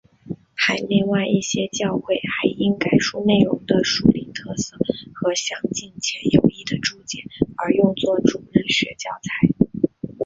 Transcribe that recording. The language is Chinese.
海内外一些教会还因该书内容的属灵特色和详尽且有益的注解而用作主日学教材。